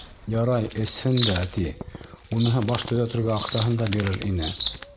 Ярай, эсһен дә, ти, уныһы, баш төҙәтергә аҡсаһын да бирер ине.